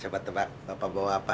coba tebak bapak bawa apa